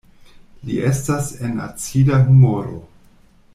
Li estas en acida humoro.